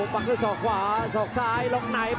ปักด้วยศอกขวาสอกซ้ายล็อกใน